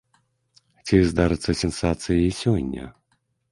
Ці здарыцца сенсацыя і сёння?